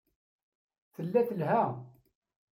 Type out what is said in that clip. Tella telha.